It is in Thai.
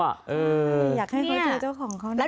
อยากให้เขาเจอเจ้าของเขานะคะ